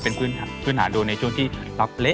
เป็นพื้นฐานดวงในช่วงที่รับเละ